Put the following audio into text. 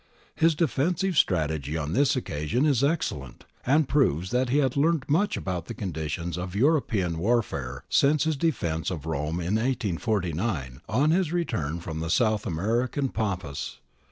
His defensive strategy on this occasion is excellent, and proves that he had learnt much about the conditions of European warfare since his defence of Rome in 1849, on his return from the South American pampas.